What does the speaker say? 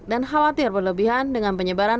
dan khawatir berlebihan dengan penyebaran